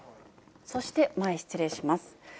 そして、前、失礼します。